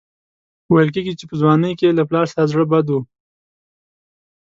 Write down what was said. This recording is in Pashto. ویل کېږي چې په ځوانۍ کې یې له پلار سره زړه بد و.